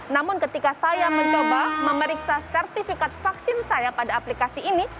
namun ketika saya mencoba memeriksa sertifikat vaksin saya pada aplikasi ini